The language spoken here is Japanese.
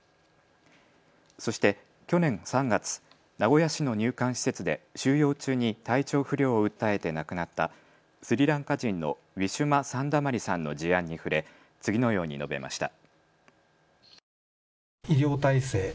そして去年３月、名古屋市の入管施設で収容中に体調不良を訴えて亡くなったスリランカ人のウィシュマ・サンダマリさんの事案に触れ次のように述べました。